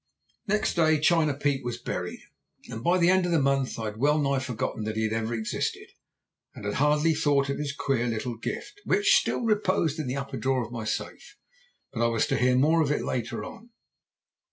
"Next day China Pete was buried, and by the end of the month I had well nigh forgotten that he had ever existed, and had hardly thought of his queer little gift, which still reposed in the upper drawer of my safe. But I was to hear more of it later on.